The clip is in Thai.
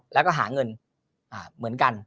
แล้วก็หาเงินเหมือนกัน